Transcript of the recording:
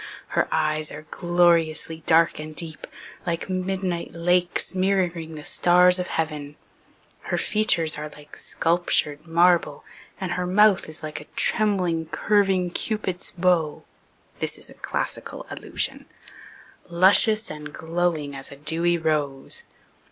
Her eyes are gloriously dark and deep, like midnight lakes mirroring the stars of heaven; her features are like sculptured marble and her mouth is like a trembling, curving Cupid's bow (this is a classical allusion) luscious and glowing as a dewy rose.